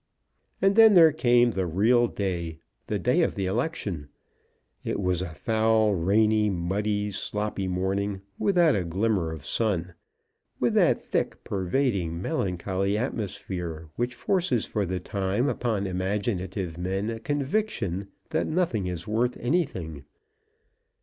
And then there came the real day, the day of the election. It was a foul, rainy, muddy, sloppy morning, without a glimmer of sun, with that thick, pervading, melancholy atmosphere which forces for the time upon imaginative men a conviction that nothing is worth anything.